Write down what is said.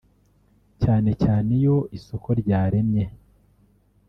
cyane cyane iyo isoko ryaremye